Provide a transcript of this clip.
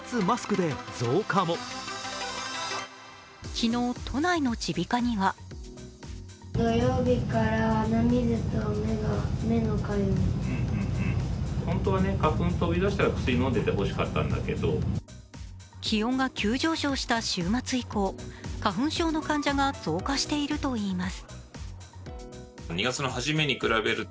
昨日、都内の耳鼻科には気温が急上昇した週末以降、花粉症の患者が増加しているといいます。